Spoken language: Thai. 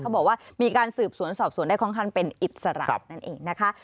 บอกว่ามีการสืบสวนสอบสวนได้ค่อนข้างเป็นอิสระนั่นเองนะคะ